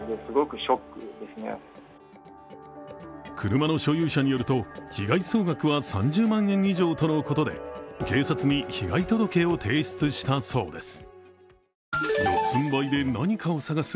車の所有者によると被害総額は３０万円以上とのことで警察に被害届を提出したそうです。